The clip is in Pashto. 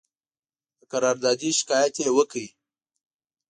د قراردادي شکایت یې وکړ.